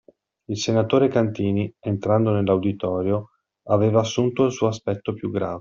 Il senatore Cantini, entrando nell'auditorio, aveva assunto il suo aspetto più grave.